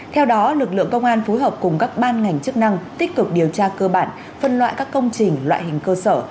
theo đó lực lượng công an phối hợp cùng các ban ngành chức năng tích cực điều tra cơ bản phân loại các công trình loại hình cơ sở